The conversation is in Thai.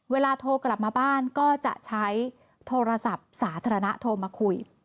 เวลาโทรกลับมาบ้านก็จะใช้โทรศัพท์สาธารณะโทรมาคุย